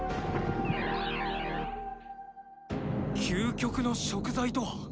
究極の食材とは？